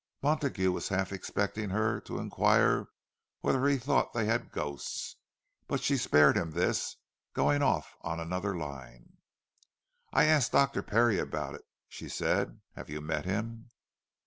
Montague was half expecting her to inquire whether he thought that they had ghosts; but she spared him this, going off on another line. "I asked Dr. Parry about it," she said. "Have you met him?"